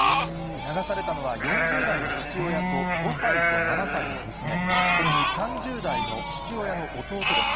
流されたのは４０代の父親と５歳と７歳の娘、それに３０代の父親の弟です。